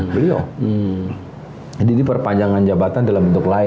jadi ini perpanjangan jabatan dalam bentuk lain